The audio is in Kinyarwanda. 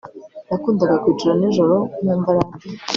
nakundaga kwicara nijoro nkumva radio